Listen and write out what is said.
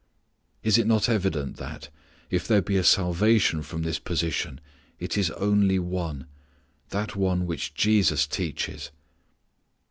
Is it not evident that, if there be a salvation from this position, it is only one: that one which Jesus teaches?